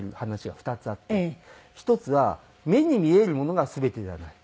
１つは目に見えるものが全てではない。